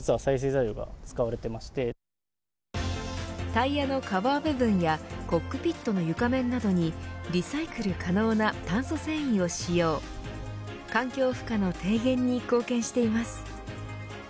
タイヤのカバー部分やコックピットの床面などにリサイクル可能な炭素繊維を使用環境負荷の低減に貢献しています。